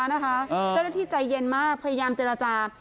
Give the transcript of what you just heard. เจ้าหน้าที่ใจเย็นมากพยายามเจรจา